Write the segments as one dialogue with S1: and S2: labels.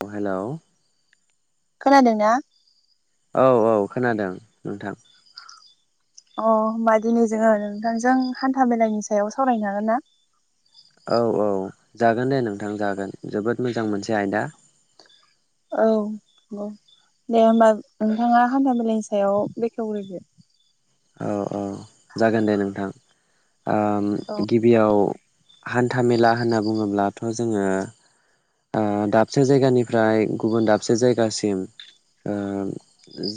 S1: अ hello
S2: खोनादोंना
S1: औ औ खोनादों नोंथां।
S2: अ होमबा दिनै जोङो नोंथांजों हान्था मेलानि सायाव सावरायनो हागोन ना?
S1: औ औ जागोन दे नोंथां जागोन जोबोद मोजां मोनसे आयदा।
S2: औ न दे होमबा नोंथाङा हान्था मेलानि सायाव बेखेवग्रोदो।
S1: औ औ जागोन दे नोंथां। ओम गिबियाव हान्था मेला होनना बुङोब्लाथ' जोङो ओ दाबसे जायगानिफ्राय गुबुन दाबसे जायगासिम ओ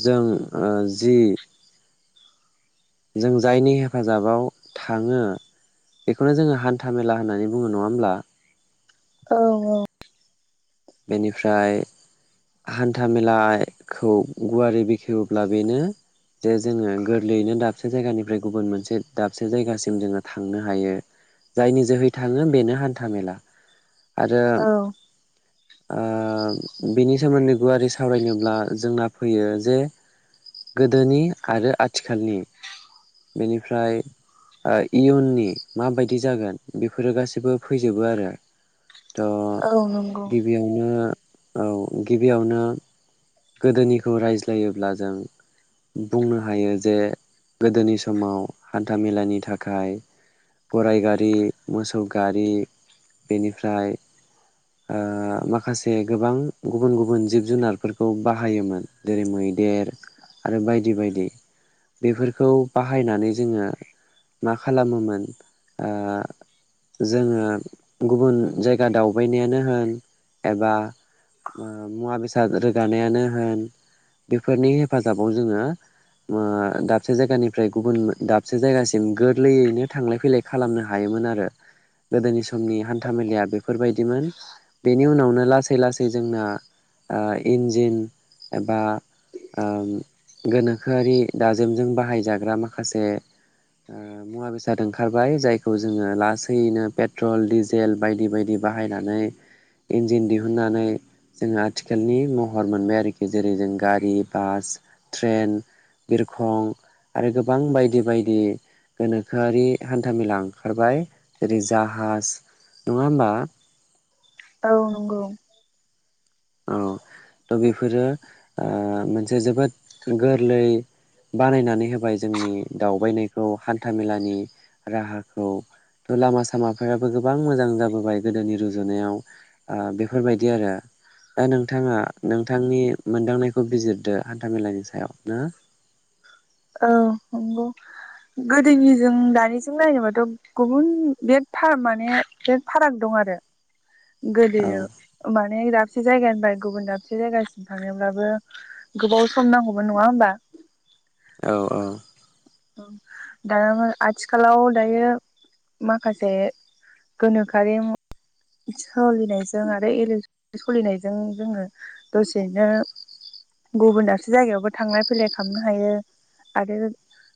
S1: जों ओ जि जों जायनि हेफाजाबाव थाङो बेखौनो जोङो हान्था मेला होननानै बुङो नङा होमब्ला?
S2: औ औ
S1: बेनिफ्राय हान्था मेलाखौ गुवारै बेखेवोब्ला बेनो जे जोङो गोरलैयैनो दाबसे जायगानिफ्राय गुबुन मोनसे दाबसे जायगासिम जोङो थांनो हायो जायनि जोहै थाङो बेनो हान्था मेला। आरो
S2: औ
S1: आ उम बेनि सोमोन्दै गुवारै सावरायनोब्ला जोंना फैयो जे गोदोनि आरो आथिखालनि बेनिफ्राय ओ इयुननि माबायदि जागोन बेफोरो गासैबो फैजोबो आरो। थ
S2: औ नंगौ
S1: गिबियावनो औ गिबियावनो गोदोनिखौ रायज्लायोब्ला जों बुंनो हायो जे गोदोनि समाव हान्था मेलानि थाखाय गराय गारि मोसौ गारि बेनिफ्राय ओ माखासे गोबां गुबुन गुबुन जिब जुनारफोर खौ बाहायोमोन जेरै मैदेर आरो बायदि बायदि बेफोरखौ बाहायनानै जोङो मा खालामोमोन ओ जोङो गुबुन जायगा दावबायनायानो होन एबा मो मुवा बेसाद रो गानायानो होन बेफोरनि हेफाजाबाव जोङो ओ दाबसे जायगानिफ्राय गुबुन दाबसे जायगासिम गोरलैयैनो थांलाय फैलाय खालामनो हायोमोन आरो गोदोनि समनि हान्था मेलाया बेफोरबायदिमोन बेनि उनावनो लासै लासै जोंना ओ इन्जिन एबा ओम गोनोखोआरि दाजेमजों बाहायजाग्रा माखासे ओ मुवा बेसाद ओंखारबाय जायखौ जोङो लासैयैनो पेट्रल डिजेल बायदि बायदि बाहायनानै इन्जिन दिहुननानै जोङो आथिखालनि महर मोनबाय आरोखि जेरै जों गारि बास ट्रेन बिरखं आरो गोबां बायदि बायदि गोनोखोआरि हान्थामेला ओंखारबाय। जेरै जाहाज नङा होमबा?
S2: औ नंगौ।
S1: औ थ बेफोरो ओ मोनसे जोबोद गोरलै बानायनानै होबाय जोंनि दावबायनायखौ हान्था मेलानि राहाखौथ लामा सामाफोराबो गोबां मोजां जाबोबाय गोदोनि रुजुनायाव ओ बेफोरबायदि आरो दा नोंथाङा नोंथांनि मोनदांनायखौ बिजिरदो हान्थामेलानि सायाव ना
S2: औ नंगौ गोदोनिजों दानिजों नायनोबाथ गुबुन बिराद फार माने बिराद फाराग दं आरो।
S1: औ
S2: गोलैयो माने इरा दाबसे जायगानिफ्राय गुबुन दाबसे जायगासिम थांनोब्लाबो गोबाव सम नांगौमोन नङा होमबा?
S1: औ औ
S2: ओं दाना मा आथिखालाव दायो माखासे गोनोखोआरि सोलिनायजों आरो इले सोलिनायजों जोङो दसेनो गुबुन दाबसे जायगायावबो थांलाय फैलाय खालामनो हायो। आरो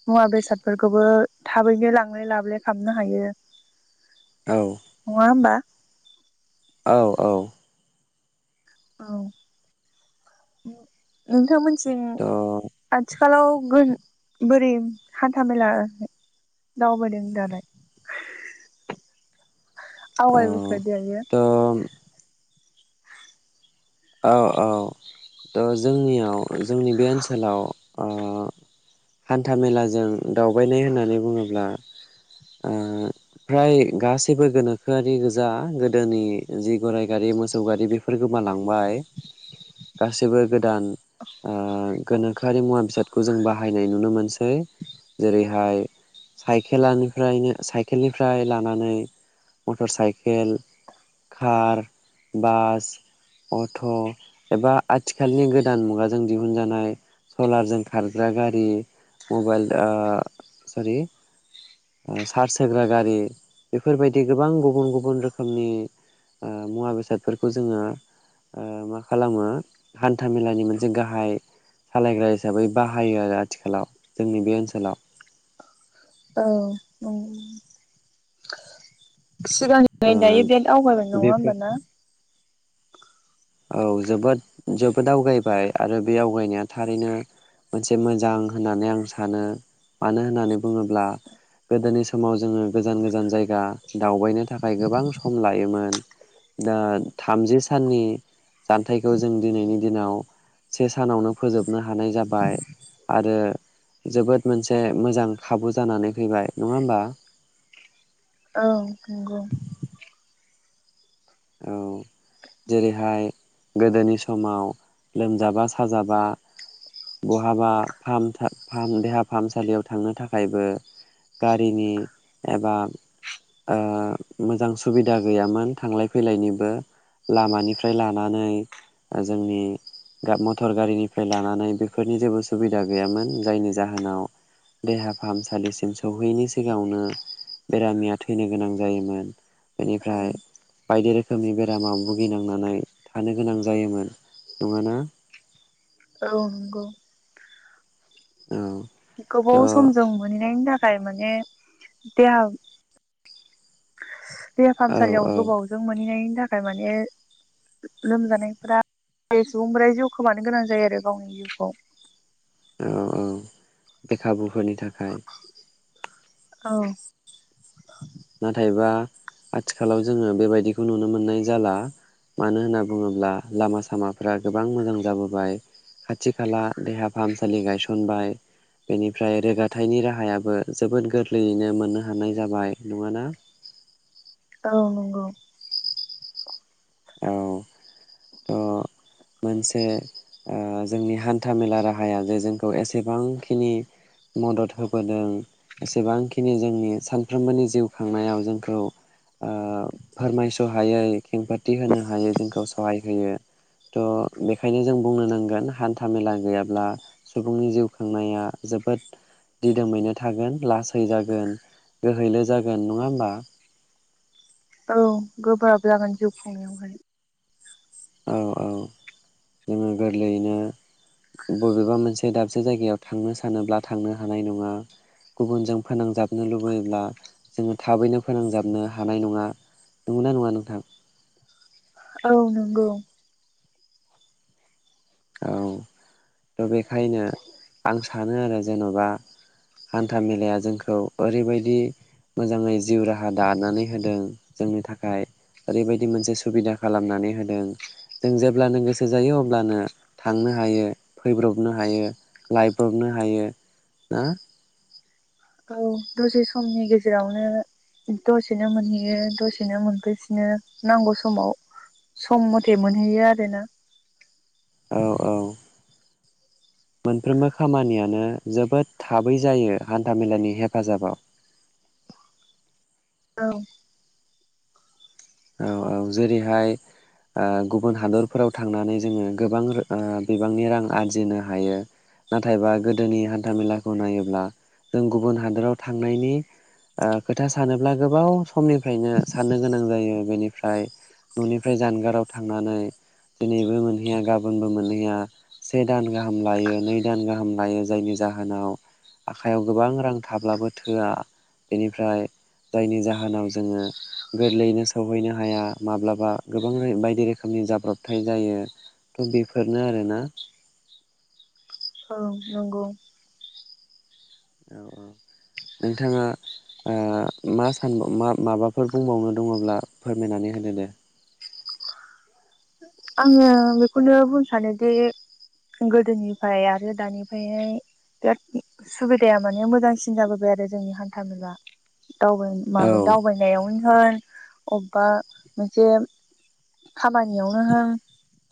S2: मुवा बेसादफोरखौबो थाबैनो लांलाय लाबोलाय खालामामनो हायो।
S1: औ
S2: नङा होमबा?
S1: औ औ
S2: औ नोंथांमोन थिं
S1: थ' औ
S2: आथि खालाव गो बोरै हान्था मेला दावबायदों दालाय? आवगायबोखो दायो
S1: थ' औ औ त जोंनियाव जोंनि बे ओनसोलाव ओ हान्था मेलाजों दावबायनाय होननानै बुङोब्ला ओ फ्राय गासैबो गोनोखोआरि गोजा गोदोनि जि गराइ गारि मोसौ गारि बेफोर गोमालांबाय गासैबो गोदान ओ गोनोखोआरि मुवा बेसादखौ जों बाहायनाय नुनो मोनसै जेरैहाय साइकेलानो हो फ्रायनो साइकेलनिफ्राय लानानै motor cycle car bus auto एबा आथिखालनि गोदान मुगाजों दिहुनजानाय सलारजों खारग्रा गारि मबाइल ओ सरि चार्स होग्रा गारि बेफोरबायदि गोबां गुबुन गुबुन रोखोमनि ओ मुवा बेसादफोरखौ जोङो ओ मा खालामो हान्था मेलानि मोनसे गाहाय सालायग्रा हिसाबै बाहायो आरो आथिखालाव जोंनि बे ओनसोलाव।
S2: औ [unintelligible]
S1: ओ
S2: सिगांनिफ्राय दायो बिराद आवगायनाय नङा
S1: बेफोर
S2: होमबा ना?
S1: औ जोबोद जोबोद आवगायबाय आरो बे आवगायनाया थारैनो मोनसे मोजां होननानै आं सानो मानो होननानै बुङोब्ला गोदोनि समाव जोङो गोजान गोजान जायगा दावबायनो थाखाय गोबां सम लायोमोन दा थामजि साननि जानथायाइखौ जों दिनैनि दिनाव से सानावनो फोजोबनो हानाय जाबाय आरो जोबोद मोनसे मोजां खाबु जानानै फैबाय नङा होमबा?
S2: औ नंगौ।
S1: औ। जेरैहाय गोदोनि समाव लोमजाबा साजाबा बहाबा फाहाम-फाहाम देहा फाहामसालियाव थांनो थाखायबो गारिनि एबा ओ मोजां सुबिदा गैयामोन थांलाय फैलायनिबो लामानिफ्राय लानानै जोंनि मटर गारिनिफ्राय लानानै बेफोरनि जेबो सुबिदा गैयामोन जायनि जाहोनाव देहा फाहामसालिसिम सौहैयैनि सिगाङावनो बेरामिया थैनो गोनां जायोमोन। बेनिफ्राय बायदि रोखोमनि बेरामाव भुगिनांनानै थानो गोनां जायोमोन नङा ना?
S2: औ नंगौ।
S1: औ थ' औ
S2: गोबाव समजों मोनहैनायनि थाख खाय माने देहा देहा फाहामसालियाव
S1: औ
S2: गोबावजों मोनहैनाय थाखाय माने लोमजानायफोरा सुबुंफोरा जिउ खोमानो गोनां जायो आरो गावनि जिउखौ।
S1: औ औ। बेखाबुफोरनि थाखाय।
S2: [inaudible]
S1: नाथायबा आथिखालाव जोङो बेबायदिखौ नुनो मोननाय जाला मानो होनना बुङोब्ला लामा सामाफ्रा गोबां मोजां जाबोबाय खाथि खाला देहा फाहामसालि गायसनबाय बेनिफ्राय रोगाथाइनि राहायाबो जोबोद गोरलैयैनो मोननो हानाय जाबाय। नङाना?
S2: औ नंगौ।
S1: औ। थ' मोनसे ओ जोंनि हान्था मेला राहाया जे जोंखौ एसेबांखिनि मदद होबोदों एसेबांखिनि जोंनि सानफ्रोमबोनि जिउ खांनायाव जोंखौ ओ फोरमायस' हायै खेंफोरथि होनो हायै जोंखौ सहाय होयो। थ' बेखायनो जों बुंनो नांगोन हान्था मेला गैयाब्ला सुबुंनि जिउ खांनाया जोबोद दिदोमैनो थागोन लासै जागोन गोहैलो जागोन नङा होमबा?
S2: औ गोब्राब जागोन जिउ खुंनायावहाय।
S1: औ औ जोङो गोरलैयैनो बबेबा मोनसे दाबसे जायगायाव थांनो सानोब्ला थांनो हानाय नङा गुबुनजों फोनांजाबनो लुबैयोब्ला जोङो थाबैनो फोनांजाबनो हानाय नङा नंगौना नङा नोंथां?
S2: औ नंगौ।
S1: औ थ बे खायनो आं सा सानो आरो जेन'बा हान्था मेलाया जोंखौ ओरैबायदि मोजाङै जिउ राहा दानानै होदों जोंनि थाखाय ओरैबायदि मोनसे सुबिदा खालामनानै होदों जों जेब्लानो गोसो जायो अब्लानो थांनो हायो फैब्रबनो हायो लायब्रबनो हायो ना।
S2: औ दसे समनि गेजेरावनो दसेनो मोनहैयो दसेनो मोनफैफिनो नांगौ समाव सम मथे मोनहैयो आरोना।
S1: औ औ। मोनफ्रोमबो खामानियानो जोबोद थाबै जायो हान्थामेलानि हेफाजाबाव।
S2: औ।
S1: औ औ जेरैहाय ओ गुबुन हादरफोराव थांनानै जोङो गोबां ओ बिबांनि रां आरजिनो हायो नाथायबा गोदोनि हान्थामेलाखौ नायोब्ला जों गुबुन हादराव थांनायनि ओ खोथा सानोब्ला गोबाव समनिफ्रायनो साननो गोनां जायो। बेनिफ्राय न'निफ्राय जानगाराव थांनानै दिनैबो मोनहैया गाबोनबो मोनहैया से दान गाहाम लायो नै दान गाहाम लायो जायनि जाहोनाव आखाइयाव गोबां रां थाब्लाबो थोआ बेनिफ्राय जायनि जाहोनाव जोङो गोरलैनो सान सौहैनो हाया माब्लाबा गोबां बायदि रोखोमनि जाब्रबथाय जायो थ' बेफोरनो आरोना।
S2: औ नंगौ।
S1: औ औ नोंथाङा ओ मा सानब मा-माबाफोर बुंबावनो दङब्ला फोरमायनानै होदो दे।
S2: आङो बेखौनो बुंनो सानोदि गोदोनिफ्राय आरो दानिफ्रायहाय बिराद सुबिदाया माने मोजांसिन जाबोबाय आरो जोंनि हान्थ मेला। दाव
S1: औ
S2: माबा दावबायनायावनो होन। अबेबा मोनसे खामानियाव होन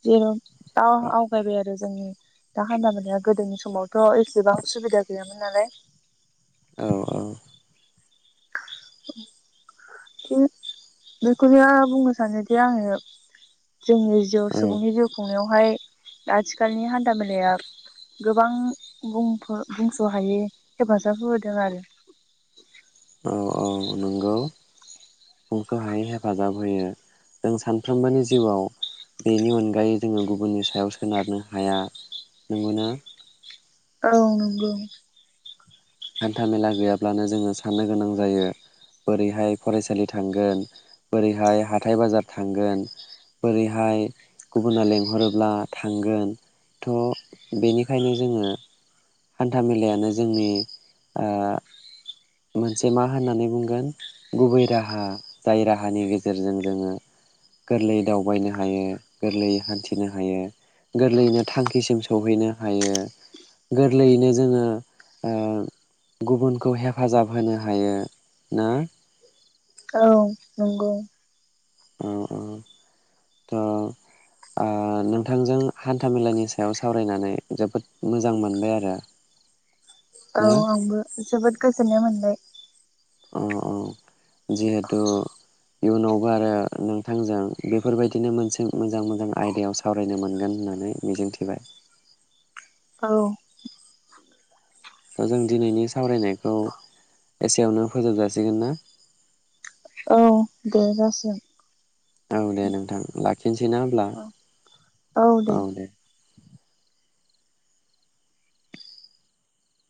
S2: दा आवगायबाय आरो जोंनि दा हान्था मेलाआ गोदोनि समावथ' एसेबां सुबिदा गैयामोन नालाय
S1: औ औ
S2: [unintelligible] बि बेखौनो बुंनो सानोदि आङो। जोंनि जिउ
S1: औ
S2: सुबुंनि जिउ खुंनायाव। बेवहाय आथिखालनि हान्था मेलाया गोबां बुंफो बुंस' हायै हेफाजाब होबोदों आरो
S1: औ औ बुंस' हायै हेफाजाब होयो जों सानफ्रोमबोनि जिउआव बेनि अनगायै जोङो गुबुननि सायाव सोनारनो हाया नंगौना
S2: औ नंगौ।
S1: हान्था मेला गैयाब्लानो जोङो साननो गोनां जायो। बोरैहाय फरायसालि थांगोन बोरैहाय हाथाइ बाजार थांगोन बोरैहाय गुबुना लेंहरोब्ला थांगोन थ' बेनिखायनो जोङो। हान्था मेलायानो जोंनि ओ मोनसे मा होननानै बुंगोन गुबै राहा जाय राहानि गेजेरजों जोङो गोरलैयै दावबायनो हायो गोरलैयै हान्थिनो हायो गोरलैयैनो थांखिसिम सौहैनो हायो गोरलैयैनो जोङो ओ गुबुनखौ हेफ हेफाजाब होनो हायो ना‌।
S2: औ नंगौ।
S1: औ औ थ' आ नोंथांजों हान्थाामेलानि सायाव सावरायनानै जोबोद मोजां मोनबाय आरो। ना
S2: औ आंबो जोबोद गोजोननाय मोनबाय।
S1: अ औ जिहेथु इयुनावबो आरो नोंथांजों बेफोरबायदिनो मोनसे मोजां मोजां आयदायाव सावरायनो मोनगोन होननानै मिजिंथिबाय।
S2: औ
S1: जों दिनैनि सावरायनायखौ एसेयावनो फोजोबजासिगोन ना?
S2: औ दे जासिगोन।
S1: औ दे नोंथां लाखिनोसै ना होम्ला
S2: औ
S1: औ दे